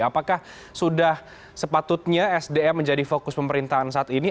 apakah sudah sepatutnya sdm menjadi fokus pemerintahan saat ini